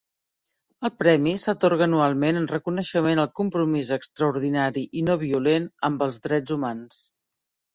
El premi s'atorga anualment en reconeixement al compromís extraordinari i no violent amb els drets humans.